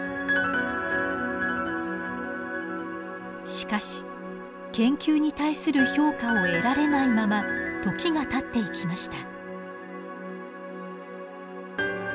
しかし研究に対する評価を得られないまま時がたっていきました。